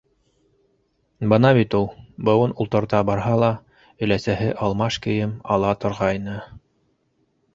Бына бит ул: быуын ултырта барһа ла өләсәһе алмаш кейем ала торғайны.